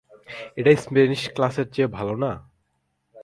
এটা স্প্যানিশ ক্লাসের চেয়ে ভালো না?